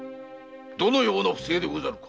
どのような不正でござるか！